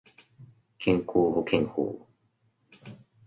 健康保険法